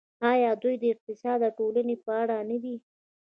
آیا دوی د اقتصاد او ټولنې په اړه نه دي؟